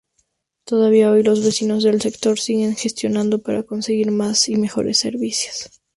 Todavía hoy los vecinos del sector siguen gestionando para conseguir más y mejores servicios.